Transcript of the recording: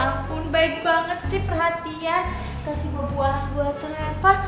aku pun baik banget sih perhatian kasih buah buahan buat reva